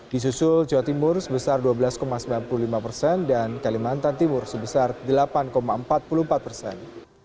di susul jawa timur sebesar dua belas sembilan puluh lima persen dan kalimantan timur sebesar delapan empat puluh empat persen